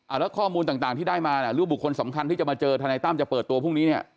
แล้วข้อมูลต่างที่ได้มาเนี่ยหรือบุคคลสำคัญที่จะมาเจอทนายตั้มจะเปิดตัวพรุ่งนี้เนี่ย